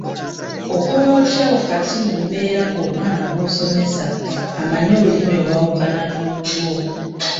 Okola otya wakati mu mbeera ng’omwana gw’osomesa amanyi Olulimi olwawukana n’olulwo?